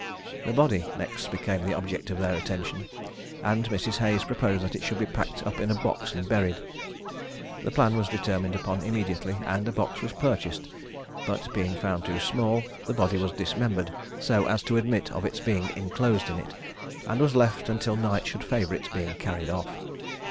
The body next became the object of their attention, and Mrs. Hayes proposed that it should be packed up in a box and buried. The plan was determined upon immediately, and a box was purchased, but being found too small, the body was dismembered so as to admit of its being inclosed in it, and was left until night should favour its being carried off.